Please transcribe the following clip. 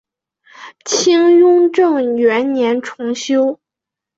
清雍正元年重修。